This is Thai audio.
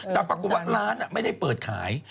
แต่ปรากฏว่าร้านไม่ได้เปิดขาย